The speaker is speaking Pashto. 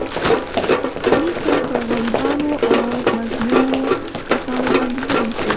علي تل په غریبانو او مظلومو کسانو باندې ظلم کوي.